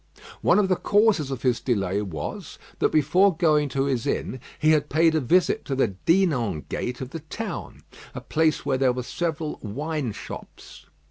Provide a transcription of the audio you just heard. One of the causes of his delay was, that before going to his inn, he had paid a visit to the Dinan gate of the town, a place where there were several wine shops.